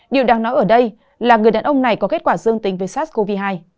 điều đang nói ở đây là người đàn ông này có kết quả dương tính với sars cov hai